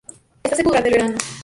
Está seco durante el verano.